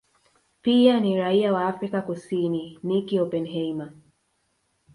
Pia ni raia wa Afrika Kusini Nicky Oppenheimer